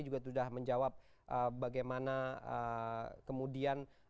juga sudah menjawab bagaimana kemudian